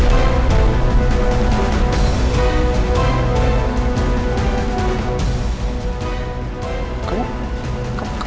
bukan mas tapi kakak ini